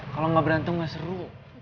kalau nggak berantem ya seru